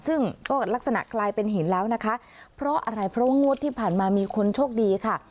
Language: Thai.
ซึ่งก็ลักษณะกลายเป็นหินแล้วนะคะเพราะอะไรเพราะว่างวดที่ผ่านมามีคนโชคดีค่ะ